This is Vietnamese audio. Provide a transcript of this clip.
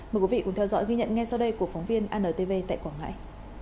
mời quý vị cùng theo dõi ghi nhận ngay sau đây của phóng viên antv tại quảng ngãi